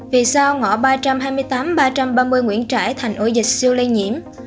vì sao ngõ ba trăm hai mươi tám ba trăm ba mươi nguyễn trãi thành ổ dịch siêu lây nhiễm